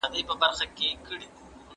د ملاریا مخنیوی د پشهخانو په واسطه کیږي.